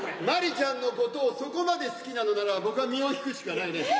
真理ちゃんのことをそこまで好きなのなら僕は身を引くしかないね。